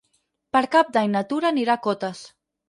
Per Cap d'Any na Tura anirà a Cotes.